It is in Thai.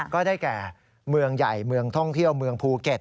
ก็ได้แก่เมืองใหญ่เมืองท่องเที่ยวเมืองภูเก็ต